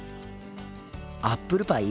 アップルパイ！